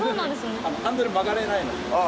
ハンドル曲がれない。